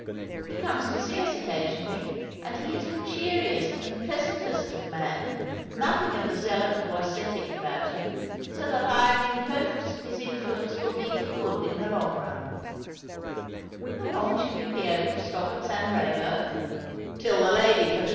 He comes to see us occasionally, and he is the cheeriest and pleasantest of men, nothing of the zealot or ascetic about him ; so that I am in " Thou Paradise of Exiles ^ Italy '^ 235 hopes Hs influence will be for good in the long run. How long shall you bo able to stop at San Eemo